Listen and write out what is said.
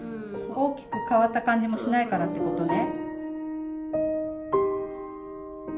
大きく変わった感じもしないからってことね。